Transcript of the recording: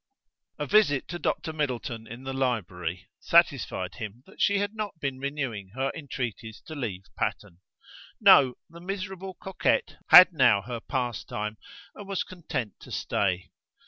A visit to Dr. Middleton in the library satisfied him that she had not been renewing her entreaties to leave Patterne. No, the miserable coquette had now her pastime, and was content to stay.